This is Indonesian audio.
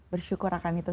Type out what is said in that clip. bersyukur akan itu